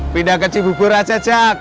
pindah ke cibubur aja cak